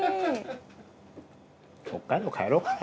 北海道帰ろうかな。